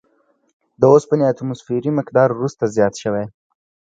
د اوسپنې اتوموسفیري مقدار وروسته زیات شوی.